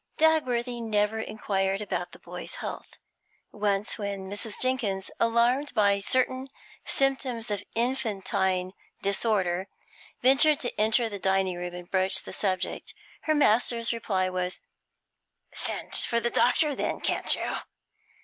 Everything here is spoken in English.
Dagworthy never inquired about the boy's health. Once when Mrs. Jenkins, alarmed by certain symptoms of infantine disorder, ventured to enter the dining room and broach the subject, her master's reply was: 'Send for the doctor then, can't you?'